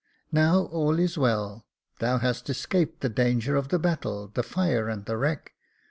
Now all is well, thou hast escaped the danger of the battle, the fire and the wreck.